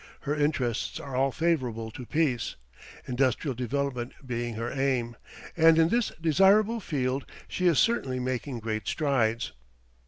Her interests are all favorable to peace, industrial development being her aim; and in this desirable field she is certainly making great strides.